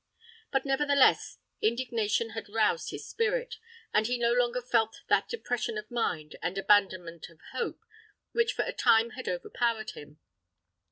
But, nevertheless, indignation had roused his spirit, and he no longer felt that depression of mind, and abandonment of hope, which for a time had overpowered him.